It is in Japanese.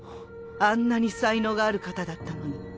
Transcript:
あんなに才能がある方だったのに。